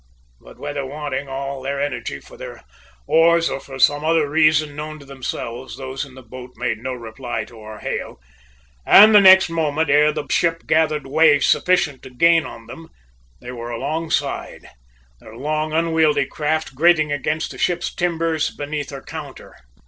But, whether wanting all their energy for their oars or for some other reason known to themselves, those in the boat made no reply to our hail, and the next moment, ere the ship gathered way sufficient to gain on them, they were alongside, their long unwieldy craft grating against the ship's timbers beneath her counter.